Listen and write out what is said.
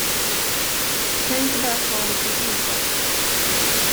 Du kan ju inte bara ta det för givet.